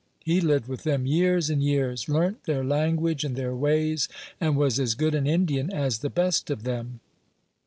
He lived with them years and years, learnt their language and their ways, and was as good an Indian as the best of them.